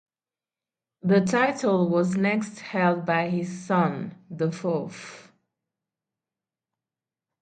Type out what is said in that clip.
The title was next held by his son, the fourth Viscount.